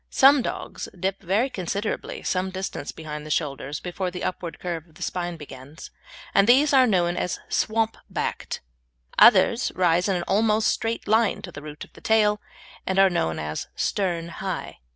Some dogs dip very considerably some distance behind the shoulders before the upward curve of the spine begins, and these are known as "swamp backed"; others rise in an almost straight line to the root of the tail, and are known as "stern high."